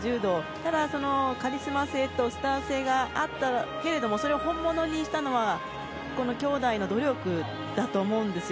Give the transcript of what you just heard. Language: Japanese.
ただ、カリスマ性とスター性があったけれどもそれを本物にしたのはこの兄妹の努力だと思うんです。